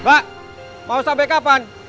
mbak mau sampai kapan